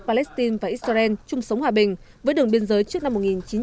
palestine và israel chung sống hòa bình với đường biên giới trước năm một nghìn chín trăm bảy mươi năm